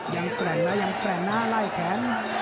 แกร่งนะยังแกร่งนะไล่แขน